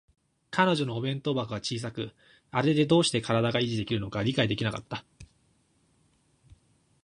彼女のお弁当箱は小さく、あれでどうして身体が維持できるのか理解できなかった